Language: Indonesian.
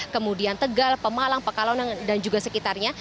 kemudian tegal pemalang pekalongan dan juga sekitarnya